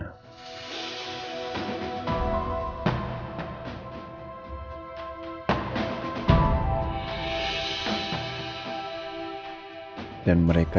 aku harus ceritau